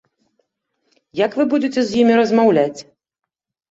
Як вы будзеце з імі размаўляць?